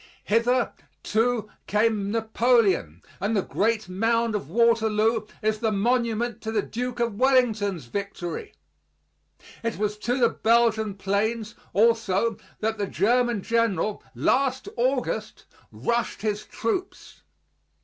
Hither, too, came Napoleon, and the great mound of Waterloo is the monument to the Duke of Wellington's victory. It was to the Belgian plains, also, that the German general, last August, rushed his troops.